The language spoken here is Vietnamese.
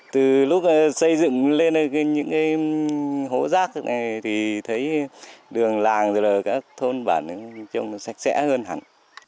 từ lúc xây dựng lên những hố rác này thì thấy đường làng rồi các thôn bản trông sạch sẽ hơn hẳn